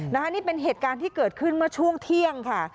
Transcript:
นี่เป็นเหตุการณ์ที่เกิดขึ้นเมื่อช่วงเที่ยงค่ะ